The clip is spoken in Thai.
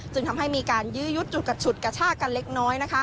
ทำให้มีการยื้อยุดจุดกระฉุดกระชากกันเล็กน้อย